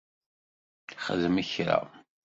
Xdem kra!